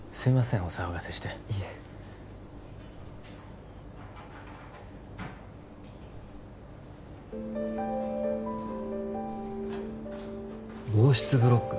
お騒がせしていいえ房室ブロック？